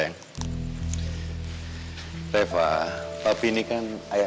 ndigrain gue sama dia